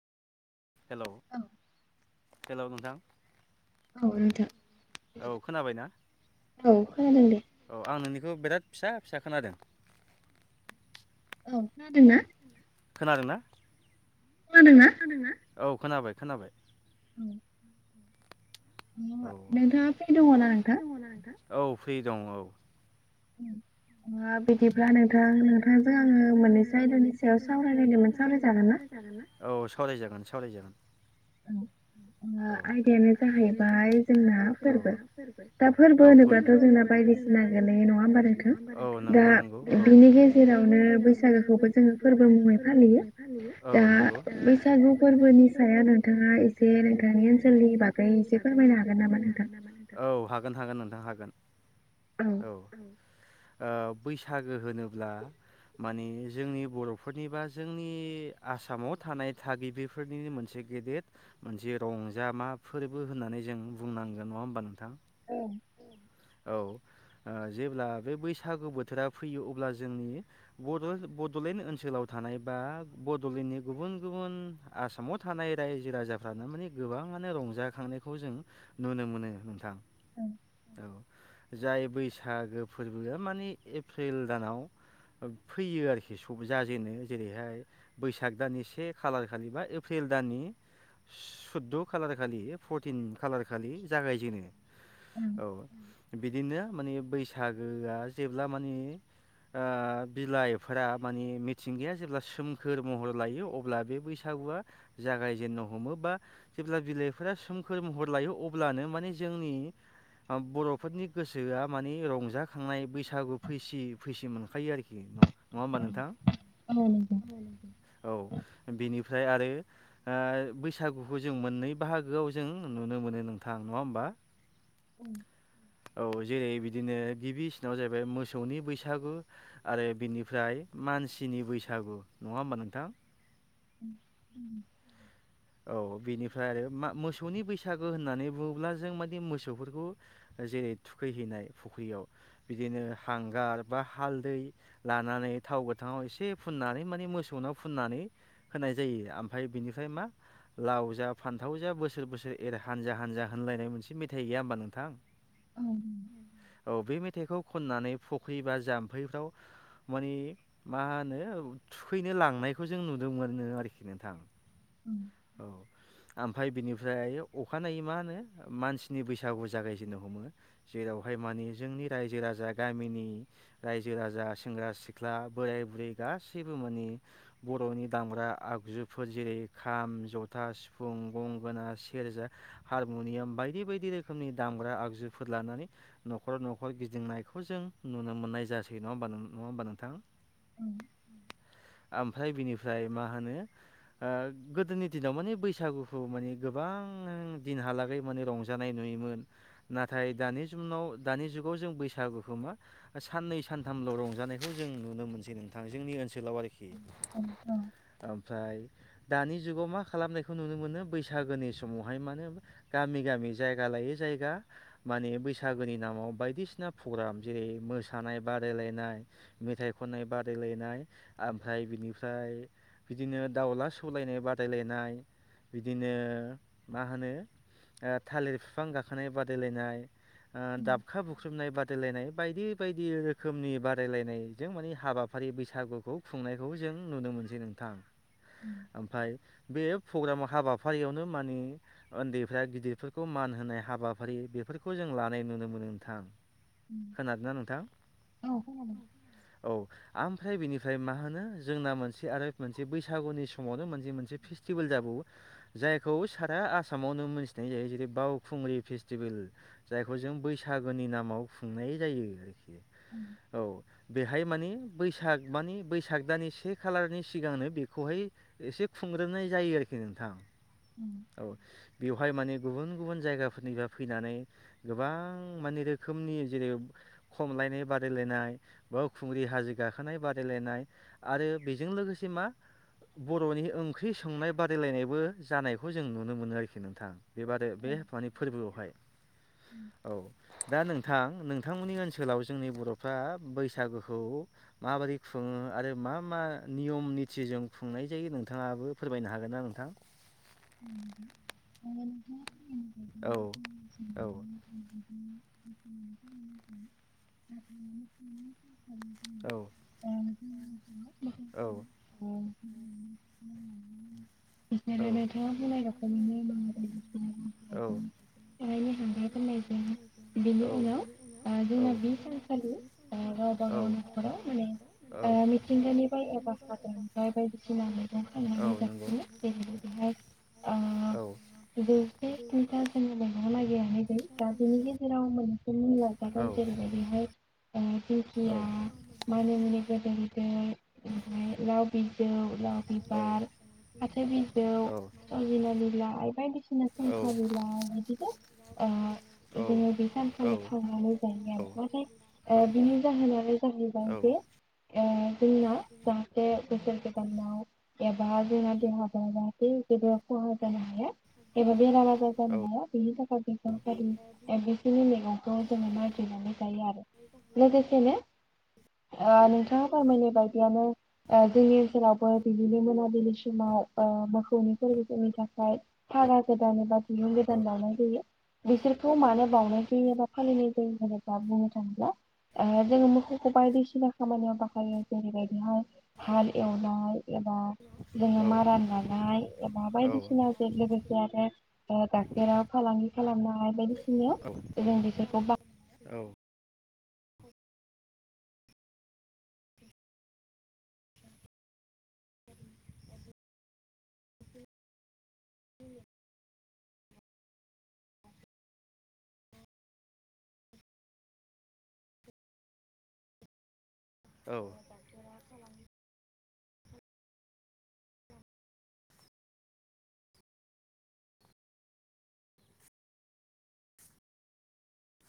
Hello औ hello नोंथां औ नोंथां औ खोनाबायना [inaudible] औ खोनादों दे। औ आं नोंनिखौ बिराद फिसा फिसा खोनादों। औ खोनादोंना? खोनादोंना? खोनादोंना? औ खोनाबाय खोनाबाय। उम औ [unintelligible] नोंथाङा फ्रि दङना नोंथाङा फ्रि नोंथां? दङ ना नोंथां औ फ्रि दं औ। उम बिदिब्ला नोंथां नोंथांजों आङो मोननैसो आयदानि सायाव सावरायलायनायमोन सावरायजागोन ना? औ सावराय जागोन सावरायजागोन। ओ आयदायानो जाहैबाय जोंना फोरबो। दा फोरबो होनोब्लाथ' जोंना बायदि [inaudible] औ दा बिनि नंगौ गेजेरावनो नंगौ बैसागोखौबो जोङो [inaudible] फोरबो मुङै फालियो [inaudible] दा औ बैसागु नंगौ फोरबोनि सायाव [inaudible] नोंथाङा [inaudible] औ एसे नोंथांनि ओनसोलनि बागै एसे फोरमायनो हागोन नामा नोंथां? हागोन हागोन नोंथां हागोन [inaudible] औ ओ बैसागो होनोब्ला माने जोंनि बर'फोरनि बा जोंनि आसामाव थानाय थागिबिफोरनिनो मोनसे गेदद मोनसे रंजा मा फोरबो होननानै जों बुंनांगोन नङा होमबा नों थां औ औ ओ जेब्ला बे बैसागु बोथोरा फैयो अब्ला जोंनि बड' बड'लेण्ड ओन सोलाव थानाय बा बड'लेण्डनि गुबुन गुबुन आसामाव थानाय राय जो राजाफ्रानो माने गोबाङानो रंजाखांनायखौ जों नुनो मोनो नोंथां। ओं जाय बैसागो फोरबोआ मानि एप्रिल दानाव फैयो आरोखि सब जाजेनो जेरैहाय बैसाग दान से खालार खालि बा एप्रिल दाननि सुदद' खालार खालि फरटिन खालार खालि जागायजेनो। औ बिदिनो माने बैसागोआ जेब्ला माने ओ बिलाइफोरा माने मिथिंगाया जेब्ला सोमखोर महर लायो अब्ला बे बैसा गुवा जागाय जेनो हमो बा जेब्ला बिलाइफोरा सोमखोर महर लायो अब्लानो मानि जोंनि अ बर'फोरनि गोसोआ मानि रंजाखांनाय बैसागु फैसि फैसि मोनखायो आरोखि न नंङा होमबा नोंथां नंगौ औ बेनिफ्राय आरो ओ बैसागुखौ जों मोननै बाहागोआव जों नुनो मोनो नोंथां नङा होमबा औ औ जेरै बिदिनो गिबिसिनाव जाहैबाय मोसौनि बैसागु आरो बिनिफ्राय मानसिनि बैसागु नङा होमबा नोंथां [inaudible] औ बेनिफ्राय आरो मा मोसौनि बैसागो होननानै बुङोब्ला जों मादि मोसौफोरखौ जेरै थुखैहैनाय फुख्रियाव बिदिनो हांगार बा हालदै लानानै थाव गोथाङाव एसे फुननानै माने मोसौनाव फुननानै होनाय जायो आमफ्राय बिनिफ्राय मा लाव जा फान्थाव जा बोसोर बोसोर एर हानजा हानजा होनलायनाय मोनसे मेथाइ गैया होमबा नोंथां औ औ बे मेथाइखौ खननानै फुख्रि बा जाम्फैफ्राव मानि मा होनो थुखैनो लांनायखौ जों नुनोमोनो आरोखि नोंथां औ ओमफ्राय बिनिफ्राय अखानायै मा होनो मानसिनि बैसागु जागायजेननो हमो जेराव बेवहाय मानि जोंनि रायजो राजा गामिनि रायजो राजा सेंग्रा सिख्ला बोराय बुरै गासैबो मोनि बर'नि दामग्रा आगजुफोर जेरै खाम जथा सिफुं गंगोना सेरजा हारमुनियाम बायदि बायदि रोखोमनि दाम ग्रा आगजुफोर लानानै न'खर न'खर गिदिंनायखौ जों नुनो मोननाय जासै नङा होमबा नो नङा होमबा नोंथां अम ओमफ्राय बिनिफ्राय मा होनो गोदोनि दिनाव माने बैसागुखौ माने गोबां दिनहालागै माने रंजानाय नुयोमोन नाथाय दानि जुमनाव दानि जुगाव जों बैसागुखौ मा साननै सानथामल' रंजानायखौ जों नुनो मोनसै नोंथां जोंनि ओनसोलाव आरोखि ओमफ्राय दानि जुगाव मा खालामनायखौ नुनो मोनो बैसागोनि समावहाय माने गामि गामि जायगा लायो जाय गा माने बैसागोनि नामाव बायदिसिना प्रग्राम जेरै मोसानाय बादायलायनाय मेथाइ खननाय बादायायनाय ओमफ्राय बिनिफ्राय बिदिनो दाउला सौ लायनाय बादायलायनाय बिदिनो मा होनो ओ थालिर बिफां गाखोनाय बादायलायनाय ओ दाबखा बुख्रुबनाय बादायलायनाय बायदि बायदि रोखोमनि बादायलायनायजों माने हाबाफारि बैसागुखौ खुंनायखौ जों नुनो मो नो नोंथां [inaudible] ओमफाय बे प्रग्रामाव हाबाफारियावनो माने उन्दैफ्रा गिदिरफोरखौ मान होनाय हा बाफारि बेफोरखौ जों लानाय नुनो मोनो नोंथां। खोनादोंना नोंथां औ औ ओमफ्राय बिनिफ्राय मा होनो जोंना मोनसे आरो मोनसे बैसागुनि सम समावनो मोनसे मोनसे फेस्टिभेल जाबावो जायखौ सारा आसामावनो मोनथिनाय जायो जेरै बावखुंग फुंग्रि फेस्टिभेल जायखौ जों बैसागोनि नामाव खुंनाय जायो आरोखि। औ बेहाय मानि बैसाग मानि बैसाग दानि से खालारनि सिगांनो बेखौहाय एसे खुंग्रोनाय जायो आरोखि नोंथां औ बे बेहाय माने गुबुन गुबुन जायगाफोरनिफ्राय फैनानै गोबां मानि रोखोमनि जेरै खमलायनाय बादायलायनाय बावखुंग्रि हाजो गाखोनाय बादायलायनाय आरो बेजों लोगोसे सिमा बर'नि ओंख्रि संनाय बादायलायनायबो जानायखौ जों नुनो मोनो आरोखि नोंथां बेबादि बे हफानि फोरबोआवहाय औ दा नों नोंथां नोंथांमोननि ओनसोलाव जोंनि बर'फ्रा बैसागुखौ माबोरै खुङो आरो मा मा नियम निथिजों खुंनाय जायो नोंथाङाबो फोरमायनो हागोन ना नोंथां? औ औ [inaudible] [inaudible] औ नोंथाङा औ [inaudible] रखमैनो सारायनि [inaudible] औ [inaudible] [inaudible] बेनि उनाव ओ जोंना बे सानखालि गावबा गाव न'खराव माने ओ मिथिंगानिफ्राय एबा मिथिंगानि औ हाग्रानिफ्राय बायदिसिना मैगं औ खानानै जाफैयो। [unintelligible] नायगिराखै दा बेनि गेजेराव मोनसे मुं लाजागोन जेरैहाय बेहाय खिया मानिमुनि गिदिर उन्दै ओमफ्राय लाव बिजौ लाव बिबार फाथो बिजौ सजिना बिलाइ बायदि [inaudible] ओ जोङो बे सानखालि थांनानै जायो नाथाय बिनि जाहोनानो [inaudible] [inaudible] [unintelligible] एबा बेराम आजार जानो हाया बेनि थाखाय सरकारि बिस नि मैगंखौ जोङो नागिर जायो आरो लोगोसेनो [inaudible] ओ नोंथाङा फोरमायनाय बायदियानो जोंनि ओनसोलावबो बिदिनो मोनाबिलि समाव ओ मोखौनि फोरबोफोरनि थाखाय भारा गोदान एबा दिरुं गोदान लानाय जायो। बिसोरखौ मानो बावनाय जायो एबा फालिनाय जायो होनोब्ला बुंनो थाङोब्ला जोङो मोसौखौ बायदिसिना खामानियाव बाहायो जेरैबादिहाय हाल एवनाय एबा जोङो मारानानाय बायदिसिना जों लोगोसे आरो गाइखेराव फालांगि खालामनो बायदिसिनायाव जों बिसोरखौ बाह औ औ [inaudible]